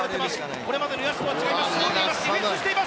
これまでの矢地とは違います。